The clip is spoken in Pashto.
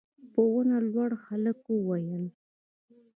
په ونه لوړ هلک وويل: